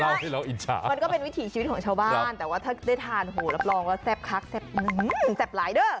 ให้เราอิจฉามันก็เป็นวิถีชีวิตของชาวบ้านแต่ว่าถ้าได้ทานโหรับรองว่าแซ่บคักแซ่บหลายเด้อ